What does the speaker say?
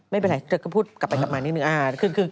ไม่เป็นไรเธอก็พูดกลับไปกลับมานิดนึง